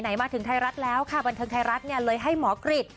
มาถึงไทยรัฐแล้วค่ะบันเทิงไทยรัฐเนี่ยเลยให้หมอกริจ